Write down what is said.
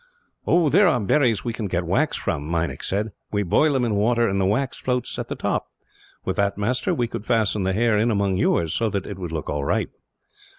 "There are berries we can get wax from," Meinik said. "We boil them in water, and the wax floats at the top. With that, master, we could fasten the hair in among yours, so that it would look all right."